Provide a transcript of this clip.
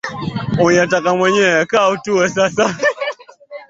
Un'yataka mwenyewe. Kaa utuwe sasa